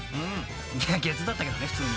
［ゲッツーだったけどね普通に］